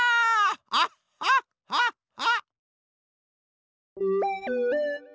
ハッハッハッハ！